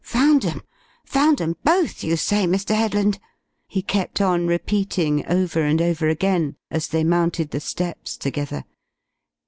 "Found 'em? Found 'em both, you say, Mr. Headland?" he kept on repeating over and over again, as they mounted the steps together.